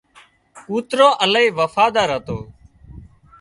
ڪوترو الاهي وفادار هتو